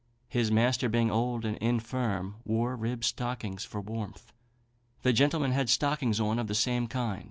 His master being old and infirm, wore ribbed stockings for warmth. The gentleman had stockings on of the same kind.